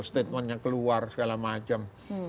statementnya keluar segala macam